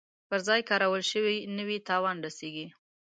پر ځای کارول شوي نه وي تاوان رسیږي.